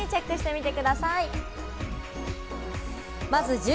皆さんも一緒にチェックしてください。